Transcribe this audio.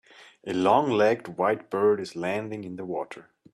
A long legged white bird is landing in the water.